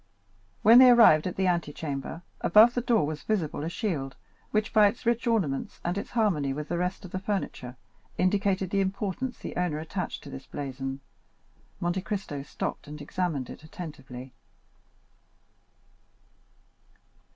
When they arrived at the antechamber, above the door was visible a shield, which, by its rich ornaments and its harmony with the rest of the furniture, indicated the importance the owner attached to this blazon. Monte Cristo stopped and examined it attentively.